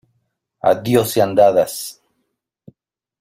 ¡ a Dios sean dadas!